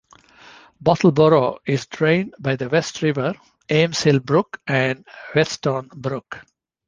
Brattleboro is drained by the West River, Ames Hill Brook and Whetstone Brook.